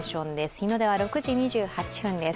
日の出は６時２８分です。